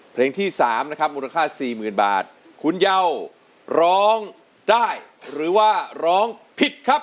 เพลงที่สามนะครับมูลค่าสี่หมื่นบาทคุณเย่าร้องได้หรือว่าร้องผิดครับ